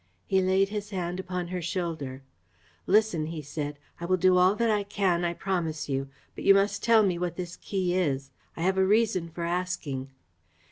He laid his hand upon her shoulder. "Listen," he said, "I will do all that I can, I promise you, but you must tell me what this key is. I have a reason for asking."